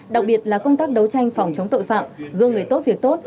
đặc biệt là công tác đấu tranh phòng chống tội phạm gương người tốt việc tốt